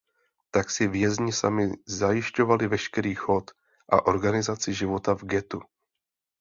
Tak si vězni sami zajišťovali veškerý chod a organizaci života v ghettu.